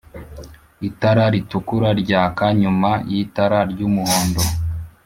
itara ritukura ryaka nyuma y'itara ry'umuhondo